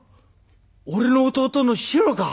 俺の弟のシロか？